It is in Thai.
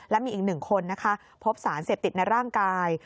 และมีอีก๑คนนะคะพบสารเสพติดในร่างกาย